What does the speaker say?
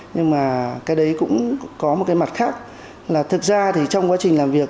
nhưng mà cái đấy cũng có một cái mặt khác là thực ra thì trong quá trình làm việc